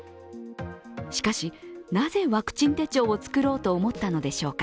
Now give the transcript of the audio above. しかし、なぜワクチン手帳を作ろうと思ったのでしょうか。